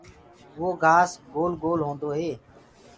وو گھآس گول گول هوندو هي۔